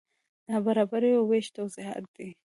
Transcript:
نابرابري او وېش توضیحات دي.